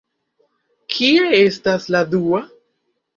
Kie estas la dua?